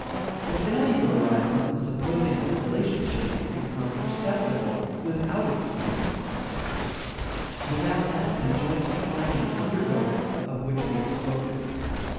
The failure arises in supposing that relationships can become perceptible without experience without that conjoint trying and undergoing of which we have spoken.